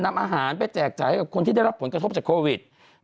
นำอาหารไปแจกจ่ายให้กับคนที่ได้รับผลกระทบจากโควิด